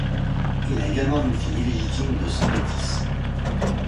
Il a également une fille illégitime de sang métis.